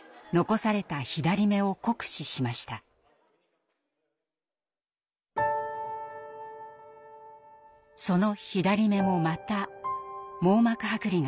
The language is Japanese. その左目もまた網膜剥離が襲います。